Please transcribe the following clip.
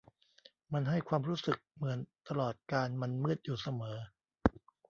มันให้ความรู้สึกเหมือนตลอดกาลมันมืดอยู่เสมอ